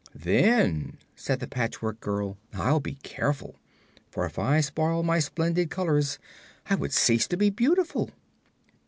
"Then," said the Patchwork Girl, "I'll be careful, for if I spoiled my splendid colors I would cease to be beautiful."